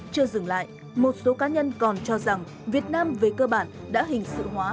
chưa dừng lại một số cá nhân còn cho rằng việt nam về cơ bản đã hình sự hóa